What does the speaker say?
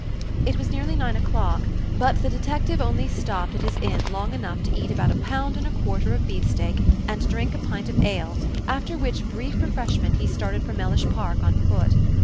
It was nearly nine o'clock; but the detective only stopped at his inn long enough to eat about a pound and a quarter of beefsteak, and drink a pint of ale, after which brief refreshment he started for Mellish Park on foot.